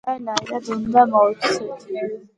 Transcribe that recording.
იგივე ნაირად უნდა მოვიქცეთ.